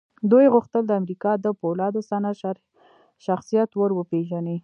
دوی غوښتل د امريکا د پولادو صنعت شخصيت ور وپېژني.